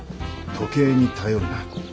時計に頼るな。